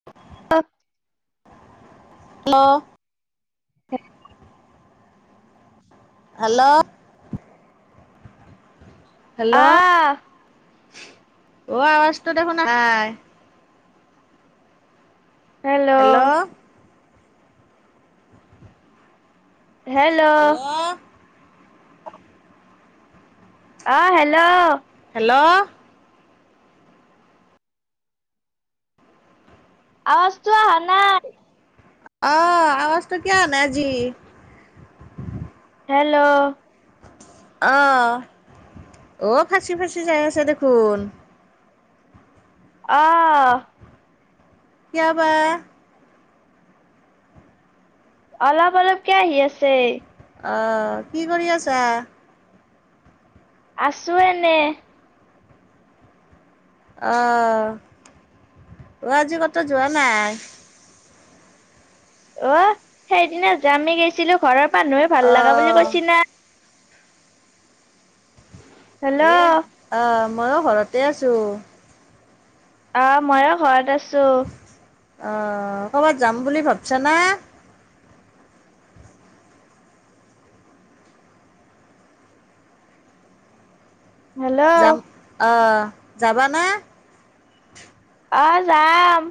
[unintelligible] Hello hello hello hello, আহ অ আৱাজটো দেখোন আহা নাই। হেল্ল' হেল্ল' অ হেল্ল হেল্ল' আৱাজটো অহা নাই। অ', আৱাজটো কিয় অহা নাই আজি। হেল্ল'। অ', অ', ফাচি ফাচি যাই আছে দেখোন। অঁ। কিয় বা? অলপ, অলপকে আহি আছে। অঁ, কি কৰি আছা? আছোঁ এনে। অ', আজি ক'ত যোৱা নাই? অ', সেইদিনা যামি গৈছিলোঁ ঘৰৰ মানুহে ভাল অ লগা বুলি কৈছ না। হেল্ল' এই অ', ময়ো ঘৰতে আছোঁ। অ', মইয়ো ঘৰত আছোঁ। অঁ, ক'ৰবাত যাম বুলি ভাবছনা। হেল্ল' যাম অ', যাবানা? অঁ, যাম।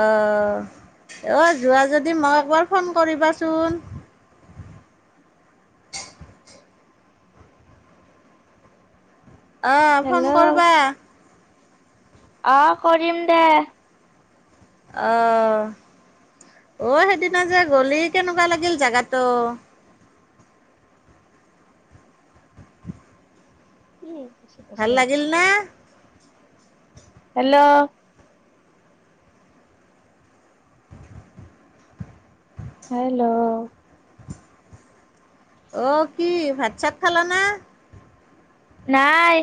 অঁ, অ ', যোৱা যদি মোক একবাৰ ফোন কৰিবাচোন। অঁ, হেল্ল' ফোন কৰিবা। অঁ, কৰিম দে। অ'। অ', সেইদিনা যে গলি, কেনেকুৱা লাগিল জেগাটো। [inaudible] ভাল লাগিল না? হেল্ল'। হেল্ল'। অ', কি, ভাত চাত খাল না? নাই।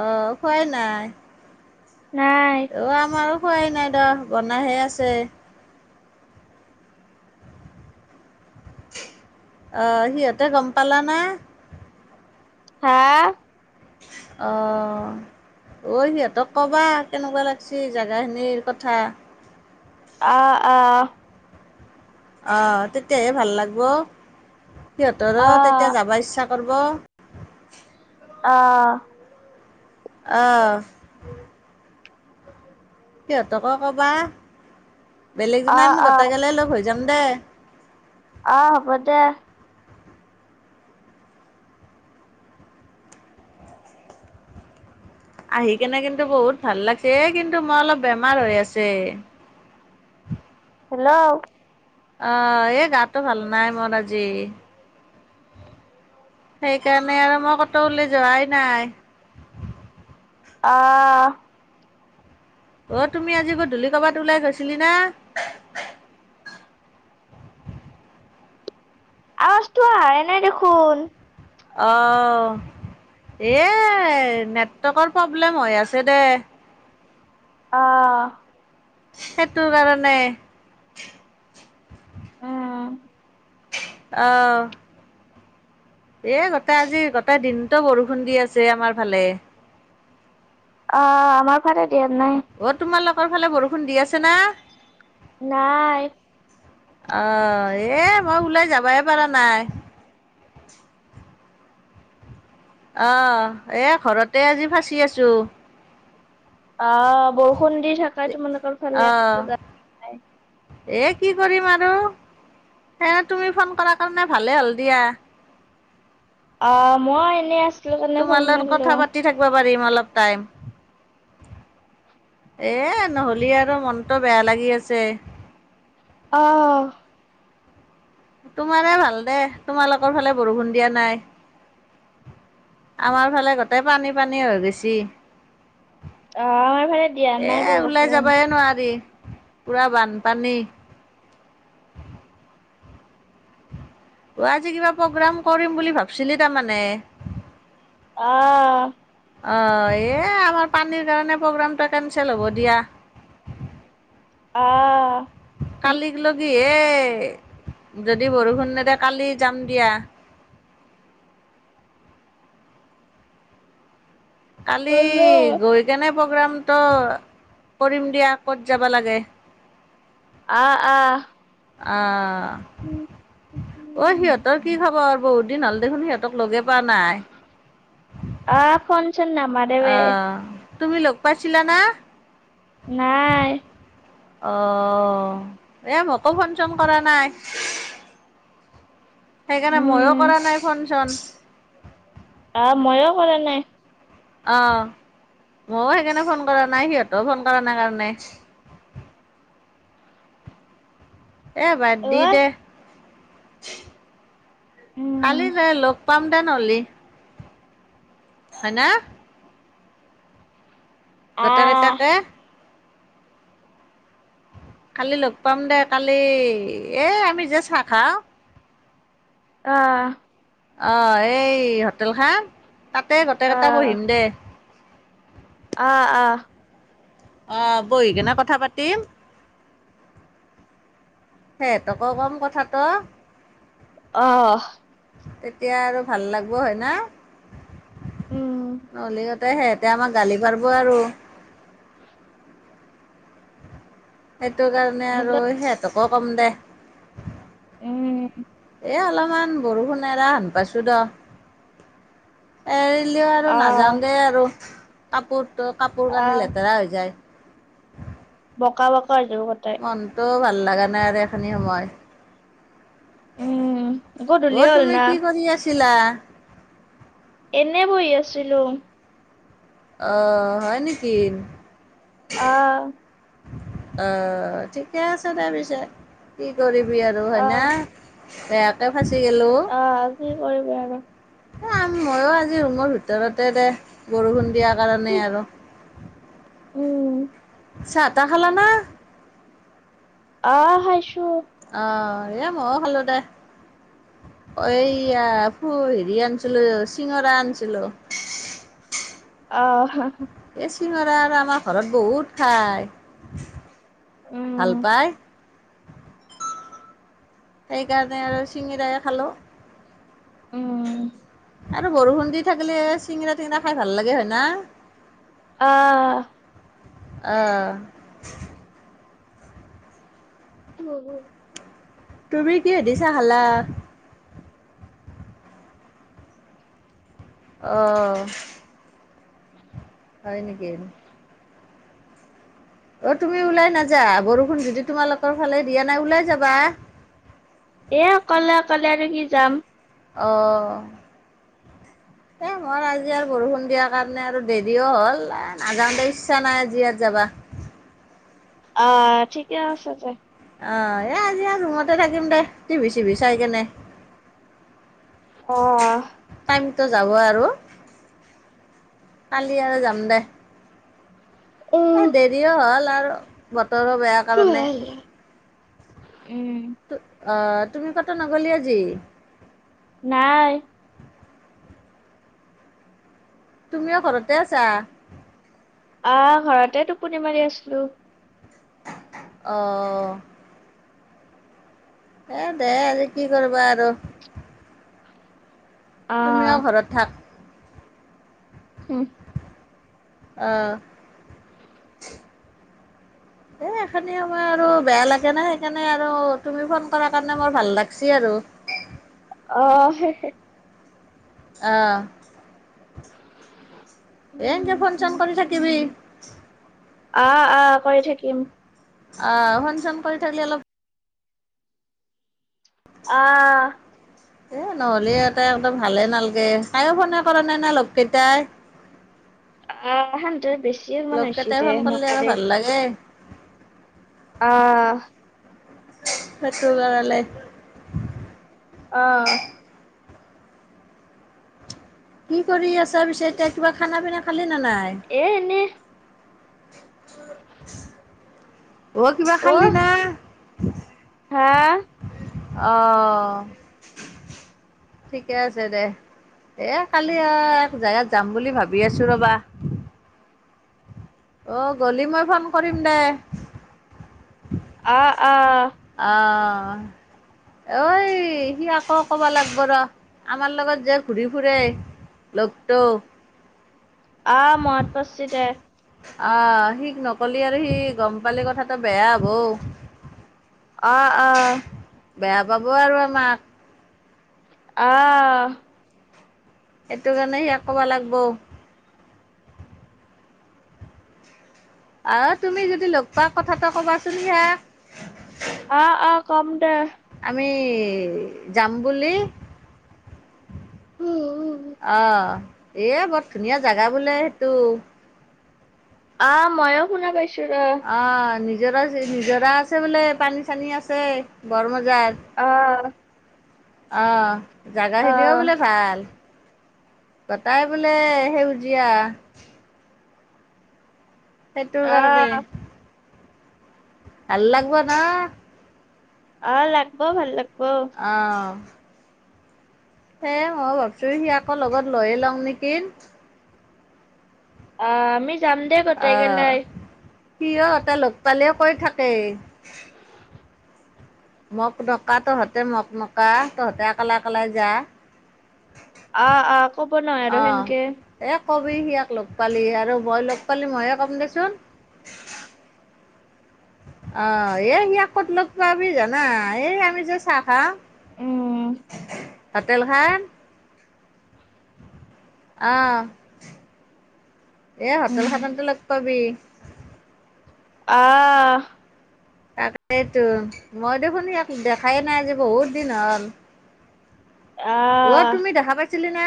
অ', খোৱা নাই। নাই। অ', আমাৰো খোৱাই নাই দে, বনাইহে আছে। অ', সিহঁতে গম পালা না? হা? আহ। ঐ সিহঁতক ক'বা, কেনেকুৱা লাগিছে জেগাখিনিৰ কথা। অ', অ'। অঁ, তেতিয়াহে ভাল লাগিব, সিহঁতৰ আহ তেতিয়া যাব ইচ্ছা কৰিব। অ'। অঁ। সিহঁতকো ক'বা, বেলেগ দিনা আহ আমি আহ গোটেইগালে লগ হৈ যাম দে। অ', হ'ব দে। আহি কেনে কিন্তু বহুত ভাল লাগিছে, কিন্তু মই অলপ বেমাৰ হৈ আছে। হেল্ল'। অ', এই গাতটো ভাল নাই মোৰ আজি। সেইকাৰণে আৰু মই ক'তো উলাই যোৱাই নাই। অ'। অ', তুমি আজি গধূলি ক'বাত ওলাই গৈছিলি না? আৱাজটো আহায়ে নাই দেখোন। অ', এই নেটৱৰ্কৰ প্ৰব্লেম হৈ আছে দে। অ'। সেইটো কাৰণে। অ'। অ'। এ, গটেই আজি, গটেই দিনতো বৰষুণ দি আছে আমাৰ ফালে। অ', আমাৰ ফালে দিয়া নাই। অ', তোমালোকৰ ফালে বৰষুণ দি আছে না? নাই। অ', এই মই ওলাই যাবাই পাৰা নাই। অ', এ, ঘৰতে আজি ফচি আছো। অ', বৰষুণ দি থাকে তোমালোকৰ ফালে অঁ [unintelligible] এ, কি কৰিম আৰু। এ, তুমি ফোন কৰা কাৰণে ভালে হ'ল দিয়া। অ', মই এনেই আছ তোমা লগত কথা পাতি থাকিব পাৰিম অলপ টাইম। এ, নহলি আৰু মনটো বেয়া লাগি আছে। অ'। তোমাৰে ভাল দে, তোমালোকৰ ফালে বৰষুণ দিয়া নাই। আমাৰ ফালে গোটেই পানী পানী হৈ গেছি। আহ আমাৰ ফালে দিয়া এ, নাই ওলাই বৰষুণ যাবাই নোৱাৰি। পোৰা বানপানী। গুৱাহাটী কিবা প্ৰগ্ৰাম কৰিম বুলি ভাবিছিলি তাৰমানে। অ'। অ', এ, আমাৰ পানীৰ কাৰণে প্ৰগ্ৰেমটো কেনচেল হ'ব দিয়া। অ'। কালিক লগি এ, যদি বৰষুণ নেদে কালি যাম দিয়া। কালি, হেল্ল' গৈ কেনে প্ৰগ্ৰামতো কৰিম দিয়া ক'ত যাবা লাগে। অ', অ'। অ'। অ', সিহঁতৰ কি খবৰ? বহুত দিন হ'ল দেখোন সিহঁতক লগে পা নাই। অ', ফোনচোন নামা অ'। তুমি লগ পাইছিলা না? নাই। অ'। এই মোকো ফোন চোন কৰা নাই। সেইকাৰণে মইয় উম কৰা নাই ফোন চোন। অ', ময়ো কৰা নাই। অ', ময়ো সেইকাৰণে ফোন কৰা নাই সিহঁতেও ফোন কৰা নাই কাৰণে। এ, বাদ অ দি দে। উম কালি যাই লগ পাম দে নহলি। হয়নে? আহ গোটেকিটাকে। কালি লগ পাম দে কালি। এই আমি যে চাহ খাওঁ অ'। অ', এই হোটেল খান, তাতে গোটেই কেইটা বহিম দে। আ আ অ বহি কেনে কথা পাতিম সিহঁতকো কম কথাটো অহ তেতিয়া আৰু ভাল লাগব হয় না উম নহলে আৰ ত সেহেতে আমাক গালি পাৰব আৰু সেইটো কাৰণে আৰু হেল্ল' সেহঁতকো কম দে। উম এ অলমান বৰষুণ এৰা হেন পাইছো দ এৰিলেও আৰু আহ নাযাও দেই আৰু কাপোৰ ত কাপোৰ কানি আহ লেতেৰা হৈ যায়। বকা বকা হই যাব গটাই। মনটোও ভাল লাগা নাই আৰু এইখিনি সময়ত। উম অ গধূলিয়ে হ'ল তুমি না কি কৰি আছিলা? এনে বহি আছিলো। অহ হয় নেকিন অ অ ঠিকে আছে দে পিছে কি কৰিবি আৰু হয় না। আহ বেয়াকে ফাচি গেলো। এ আহ কি কৰিবি আৰু ময়ো আজি ৰুমৰ ভিতৰতে দে বৰষুণ দিয়া কাৰণে আৰু উম চাহ তাহ খালা না অহ হাইছো। অহ এ মও খালো দে। এইয়া ফু হেৰি আনিছিলো চিঙৰা আনছিলো। অহ হ হ এই চিঙৰা আৰু আমাৰ ঘৰত বহুত খাই। উম ভাল পায় সেইকাৰণে আৰু চিঙিৰাই খালোঁ। উম আৰু বৰষুণ দি থাকিলে চিঙিৰা টিঙিৰা খাই ভাল লাগে হয় না। আ অহ বুবু তুমি কিহে দি চাহ খালা? অঁ হয় নেকিন অ তুমি ওলাই নাযা, বৰষুণ যদি তোমালোকৰ ফালে দিয়া নাই ওলাই যাবা। এই অকলে অকলে আৰু কি যাম। অঁ [unintelligible] এ মই আজি আৰু বৰষুণ দিয়াৰ কাৰণে আৰু দেৰিও হ'ল এ নাযাওঁ দে ইচ্ছা নাই আজি আৰ যাবা। অ ঠিকে আছে তে অ এই আজি আৰু ৰুমতে থাকিম দে টিভি চিভি চাই কেনে। অ টাইমতো যাব আৰু কালি আৰু যাম দে। এ উম দেৰিও হ'ল আৰু বতৰো বেয়া কাৰণে। ত অ তুমি কতো নগলি আজি। নাই। তুমিও ঘৰতে আচা। অ ঘৰতে টোপনি মাৰি আছিলোঁ। অ এ দে আজি কি কৰবা আৰু তুমিও আহ ঘৰত থাক। ও অ, [inaudible] এই এইখিনি সময় আৰু বেয়া লাগে না সেইকাৰণে আৰু তুমি ফোন কৰাৰ কাৰণে মোৰ ভাল লাগছি আৰু। অ, হে, হে। অ, এ ফোন চুন কৰি থাকিবি। অ, অ কৰি থাকিম। অ, ফোন চুন থাকিলি অলপ। অ। এ নহ'লে ইহঁতে একদম ভালে নালগে তাইও ফোনে কৰা নে নাই লগ কেইটাই। অ হেনতে বেছি মান হৈছে দে নকৰে। তাকে। অ। হেতো লৰালে। অ। কি কৰি আছা পিছে এতিয়া কিবা খানা পিনা খালি নে নাই। এই এনেই। ঐ কিবা অ খালি না? হা অঁ ঠিকে আছে দে। এই কালি এক জোগাত যাম বুলি ভাবি আছোঁ ৰ'বা। ও গলি মই ফোন কৰিম দে। অঁ, অঁ। অ। ঐ সি আকৌ ক'বা লাগিব ৰ আমাৰ লগত যে ঘূৰি ফুৰে। লগ টো। অ মনত পৰছি দে। অ, সিক নকলি আৰু সি গম পালি কথাটো বেয়া হ'ব। অ, অ। বেয়া পাব আৰু আমাক। অঁ। হেতু কাৰণে হেয়া ক'বা লাগ বৌ। অ, তুমি যদি লগ পোৱা কথাটো কবাচোন হিয়াক। অ, অ কম দে। আমি যাম বুলি। অ এ বৰ ধুনীয়া জেগা বোলে সেইটো। আ, মইয়ো শুনা পাইছো ৰ'। অ', নিজৰা, নিজৰা আছে বোলে, পানী-চানী আছে। বৰ মজা অ', অ'। জাগাখিনিও অ', বোলে ভাল, গটাই বোলে সেউজিয়া। সেইটো কাৰণে, অ'। ভাল লাগব না? অ', লগাব, ভাল লাগব। অ'। হে মই ভাবছো, ইয়াকো আকৌ লগত লৈয়ে, লওঁ নেকি? অ', আমি যাম। দে গোটেই অ', গেলাই। সিও, এটা লগ পালে কৈ থাকে। মক নকা, তহঁতে মক মকা, তহঁতে অকলে অকলে যা। অ', অ', ক'ব ন, আৰু অঁ সেনকে। এই কবি ইয়াক লগ পালি, আৰু মই লগ পালে, মইয়ে ক'ম দেচোন। অ', এই ইয়াক ক'ত লগ পাবি জানা, এই আমি যে চাহ খাওঁ। উম। হটেলখন। অ', এ হোটেলখনতে লগ পাবি। অ'। তাকেটো, মই দেখোন ইয়াক দেখাই নাই যে, বহুত দিন হ'ল। অ'। অ', তুমি দেখা পাইছিলি না?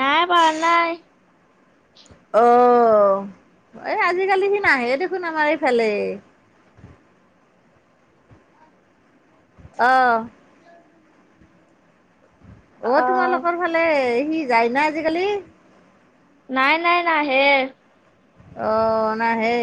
নাই, পোৱা নাই। অ', এই আজিকালি সি, নাহে দেখোন আমাৰ এইফালে। অ'। অ', তোমালোকৰ ফালে, সি যায় না আজিকালি? নাই, নাই, নাহে। অ', নাহে।